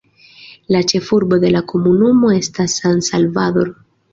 La ĉefurbo de la komunumo estas San Salvador.